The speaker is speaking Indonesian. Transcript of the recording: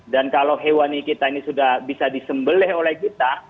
dan kalau hewani kita ini sudah bisa disembeleh oleh kita